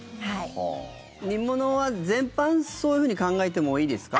煮物は全般そういうふうに考えてもいいですか？